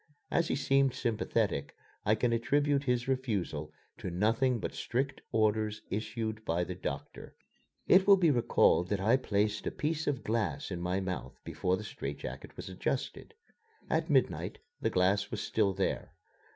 As he seemed sympathetic, I can attribute his refusal to nothing but strict orders issued by the doctor. It will be recalled that I placed a piece of glass in my mouth before the strait jacket was adjusted. At midnight the glass was still there.